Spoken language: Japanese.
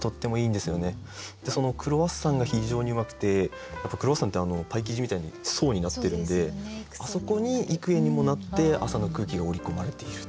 でその「クロワッサン」が非常にうまくてクロワッサンってパイ生地みたいに層になってるんであそこに幾重にもなって朝の空気が折り込まれている。